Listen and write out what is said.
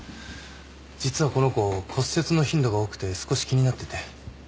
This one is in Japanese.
実はこの子骨折の頻度が多くて少し気になってて。